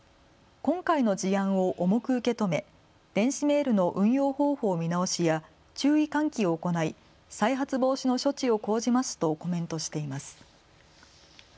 今回の事案を重く受け止め電子メールの運用方法見直しや注意喚起を行い、再発防止の処置を講じますとコメントしています。